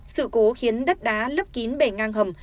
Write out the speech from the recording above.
sự cố khiến đất đá lấp kín bể ngang hầm